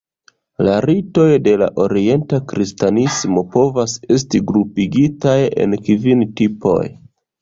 La ritoj de la Orienta Kristanismo povas esti grupigitaj en kvin tipoj.